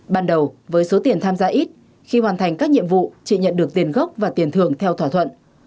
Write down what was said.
ban đầu với số tiền tham gia ít khi hoàn thành các nhiệm vụ chị nhận được tiền gốc và tiền thưởng theo thỏa thuận